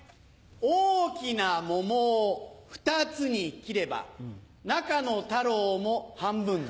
大きな桃を２つに切れば中の太郎も半分だ。